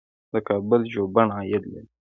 د کابل ژوبڼ عاید لري